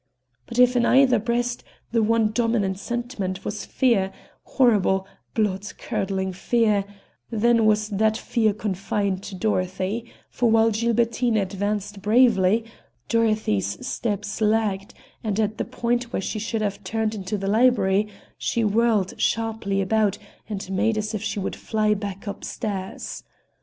But if in either breast the one dominant sentiment was fear horrible, blood curdling fear then was that fear confined to Dorothy; for while Gilbertine advanced bravely, Dorothy's steps lagged, and at the point where she should have turned into the library, she whirled sharply about and made as if she would fly back up stairs.